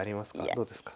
どうですか？